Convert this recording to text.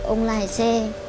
ông lái xe